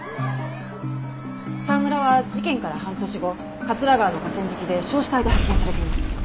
沢村は事件から半年後桂川の河川敷で焼死体で発見されています。